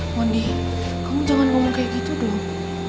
mundi kamu jangan ngomong kayak gitu dong